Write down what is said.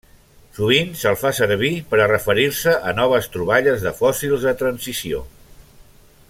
Sovint se'l fa servir per a referir-se a noves troballes de fòssils de transició.